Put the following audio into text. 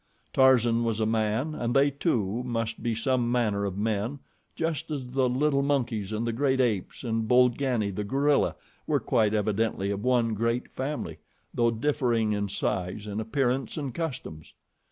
Tarzan was a man, and they, too, must be some manner of men, just as the little monkeys, and the great apes, and Bolgani, the gorilla, were quite evidently of one great family, though differing in size and appearance and customs.